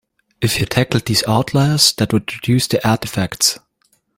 If you tackled these outliers that would reduce the artifacts.